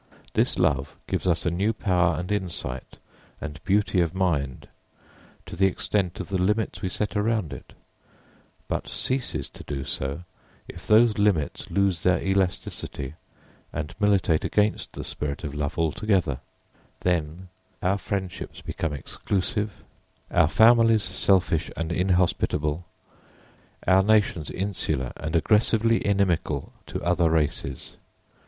This love gives us a new power and insight and beauty of mind to the extent of the limits we set around it, but ceases to do so if those limits lose their elasticity, and militate against the spirit of love altogether; then our friendships become exclusive, our families selfish and inhospitable, our nations insular and aggressively inimical to other races.